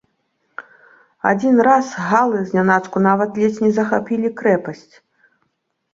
Адзін раз галы знянацку нават ледзь не захапілі крэпасць.